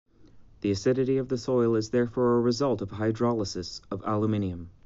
The acidity of the soil is therefore a result of hydrolysis of aluminium.